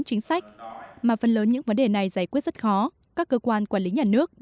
chính sách mà phần lớn những vấn đề này giải quyết rất khó các cơ quan quản lý nhà nước